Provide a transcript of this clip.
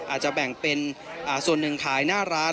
อาจจะแบ่งเป็นส่วนหนึ่งขายหน้าร้าน